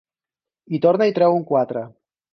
Hi torna i treu un quatre.